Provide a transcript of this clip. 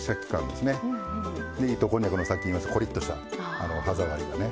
で糸こんにゃくのさっき言いましたコリッとした歯触りがね